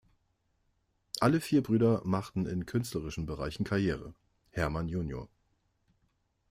Alle vier Brüder machten in künstlerischen Bereichen Karriere: Hermann Jr.